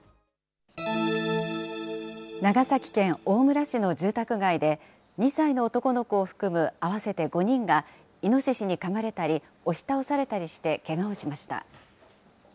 長崎県大村市の住宅街で、２歳の男の子を含む合わせて５人が、イノシシにかまれたり、押し倒されたりしてけがをしました。